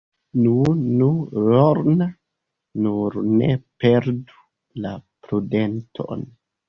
Nu, nu, Lorna, nur ne perdu la prudenton.